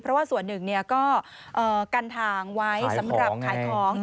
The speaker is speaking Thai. เพราะว่าส่วนหนึ่งก็กันทางไว้สำหรับขายของ